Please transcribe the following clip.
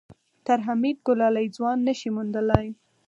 تر حميد ګلالی ځوان نه شې موندلی.